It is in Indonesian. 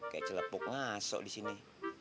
kayak celepuk ngasok di sini